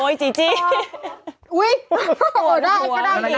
โยยยยจี๊มที่จี้